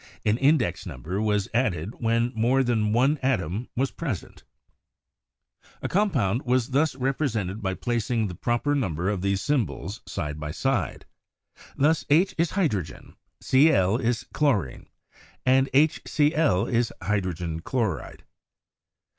An index number was added when more than one atom was present A compound was thus represented by placing the proper number of these symbols side by side. Thus, H is hydro gen, CI is chlorine, and HC1 is hydrogen chloride.